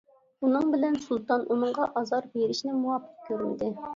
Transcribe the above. بۇنىڭ بىلەن سۇلتان ئۇنىڭغا ئازار بېرىشنى مۇۋاپىق كۆرمىدى.